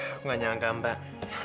aku gak nyangka mbak